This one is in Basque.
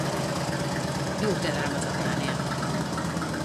Bi urte daramatzate lanean.